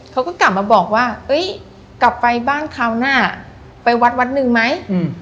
เขาก็กลับมาบอกว่ากลับไปบ้านคราวหน้าไปวัดวัดหนึ่งไหม